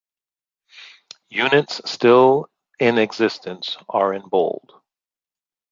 Units still in existence are in bold.